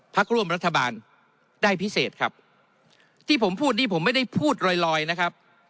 พักร่วมรัฐบาลได้พิเศษครับที่ผมพูดนี่ผมไม่ได้พูดลอยลอยนะครับ